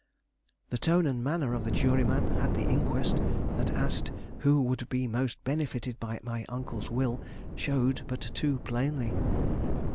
The tone and manner of the juryman at the inquest that asked who would be most benefited by my uncle's will showed but too plainly.